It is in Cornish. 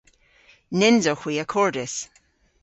Nyns owgh hwi akordys.